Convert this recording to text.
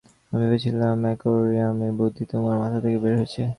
আমি ভেবেছিলাম অ্যাকোয়ারিয়ামের বুদ্ধি তোমার মাথা থেকে বের হয়েছে।